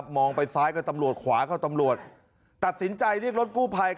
มองไปซ้ายกับตำรวจความะก็ตำรวจตัดสินใจลิกรถกู้ไพ